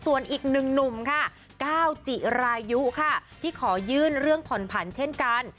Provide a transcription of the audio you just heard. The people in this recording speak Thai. ส่วนอีกหนึ่งหนุ่มค่ะก้าวจิรายุค่ะที่ขอยื่นเรื่องผ่อนผันเช่นกัน